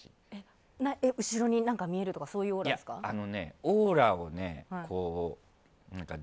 後ろに何か見えるとかそういうオーラですか？